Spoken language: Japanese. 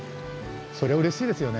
それうれしいですよね。